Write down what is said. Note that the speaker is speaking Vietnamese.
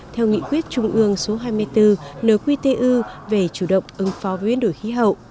theo nghị quyết trung ương số hai mươi bốn nqtu về chủ động ứng phó với biến đổi khí hậu